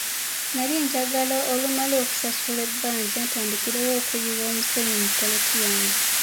Nali njagala olumala okusasula ebbanja ntandikirewo okuyiwa omusenyu mu ppoloti yange.